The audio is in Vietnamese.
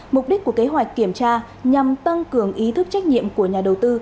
mục đích của kế hoạch kiểm tra nhằm tăng cường ý thức trách nhiệm của nhà đầu tư